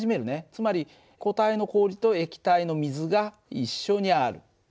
つまり固体の氷と液体の水が一緒にある。